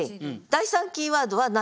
第３キーワードは何？